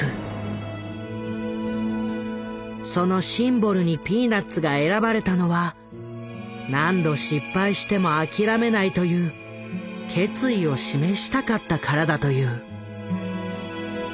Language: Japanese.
そのシンボルに「ピーナッツ」が選ばれたのはという決意を示したかったからだという。